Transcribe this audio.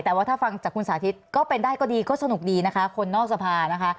แต่ว่าถ้าฟังจากคุณสาธิตก็เป็นได้ก็ดีก็สนุกดีนะคะคนนอกสภานะคะ